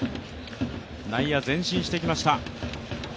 内野前進していきました。